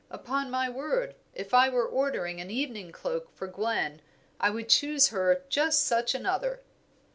Upon my word, if I were ordering an evening cloak for Gwen I would choose her just such another."